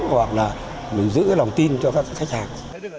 hoặc là mình giữ lòng tin cho các khách hàng